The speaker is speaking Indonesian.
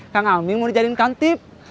kang aming mau dijadikan kantip